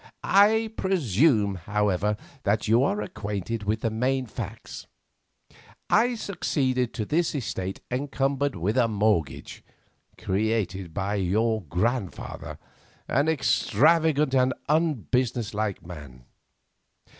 "I presume, however, that you are acquainted with the main facts. I succeeded to this estate encumbered with a mortgage, created by your grandfather, an extravagant and unbusiness like man.